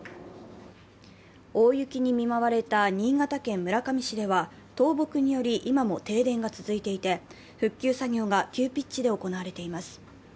大雪に見舞われた新潟県村上市では倒木により今も停電が続いていて、復旧作業が急ピッチで行われています。